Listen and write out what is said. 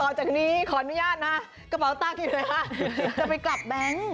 ต่อจากนี้ขออนุญาตนะกระเป๋าตากินด้วยค่ะจะไปกลับแบงค์